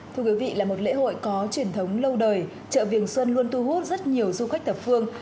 thưa quý vị là một lễ hội có truyền thống lâu đời chợ viềng xuân luôn thu hút rất nhiều du khách thập phương